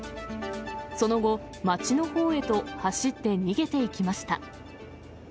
その後、街のほうへと走って逃げていきました。